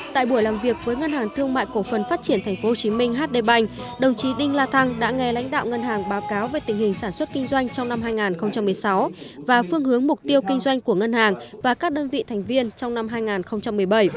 tại buổi làm việc với ngân hàng thương mại cổ phần phát triển tp hcm hd bành đồng chí đinh la thăng đã nghe lãnh đạo ngân hàng báo cáo về tình hình sản xuất kinh doanh trong năm hai nghìn một mươi sáu và phương hướng mục tiêu kinh doanh của ngân hàng và các đơn vị thành viên trong năm hai nghìn một mươi bảy